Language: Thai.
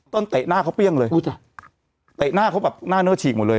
เตะหน้าเขาเปรี้ยงเลยเตะหน้าเขาแบบหน้าเนื้อฉีกหมดเลย